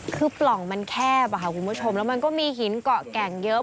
คือปล่องมันแคบค่ะคุณผู้ชมแล้วมันก็มีหินเกาะแก่งเยอะ